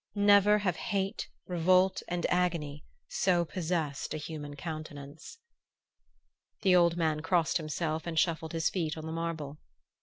Never have hate, revolt and agony so possessed a human countenance.... The old man crossed himself and shuffled his feet on the marble.